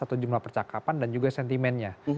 atau jumlah percakapan dan juga sentimennya